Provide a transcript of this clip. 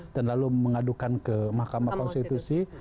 dan lalu mengadukan ke mahkamah konstitusi